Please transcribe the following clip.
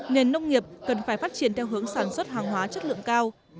nền nông nghiệp cần phải phát triển theo hướng sản xuất hàng hóa chất lượng cao